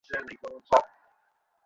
আমরা টার্গেটে বসে আছি।